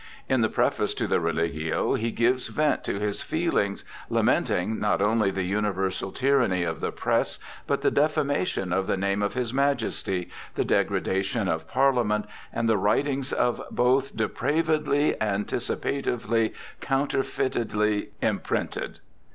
In the preface to the Religio he gives vent to his feelings, lamenting not only the universal tyranny of the Press, but the defamation of the name of his Majesty, the degradation of Parliament, and the writings of both 'depravedly, anticipatively, counter feitedly, imprinted